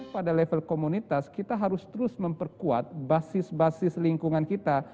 pada level komunitas kita harus terus memperkuat basis basis lingkungan kita